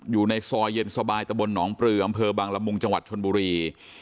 อยู่ในซอยเย็นสบายตะบลหนองปลืออำเภอบางละมุงจังหวัดชนบุรี